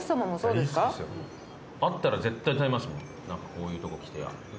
こういうとこ来て。